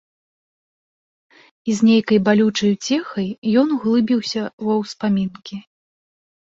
І з нейкай балючай уцехай ён углыбіўся ва ўспамінкі.